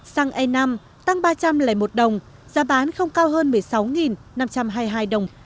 xăng e năm tăng ba trăm linh một đồng giá bán không cao hơn một mươi sáu năm trăm hai mươi hai đồng